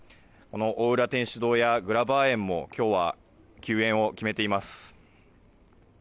大浦天主堂やグラバー園も今日は休園を決めています。